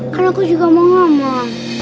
karena aku juga mau ngomong